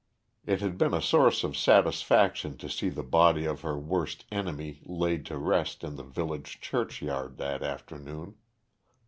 It had been a source of satisfaction to see the body of her worst enemy laid to rest in the village churchyard that afternoon.